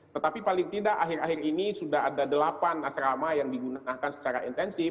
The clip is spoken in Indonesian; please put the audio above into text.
tetapi paling tidak akhir akhir ini sudah ada delapan asrama yang digunakan secara intensif